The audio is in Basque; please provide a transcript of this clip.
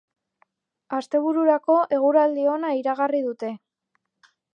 Astebururako eguraldi ona iragarri dute.